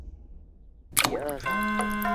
朝鲜最高领导人金正日也出席了此次会议。